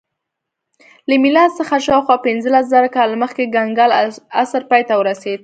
له میلاد څخه شاوخوا پنځلس زره کاله مخکې کنګل عصر پای ته ورسېد